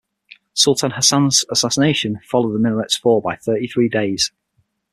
Sultan Hasan's assassination followed the minaret's fall by thirty-three days.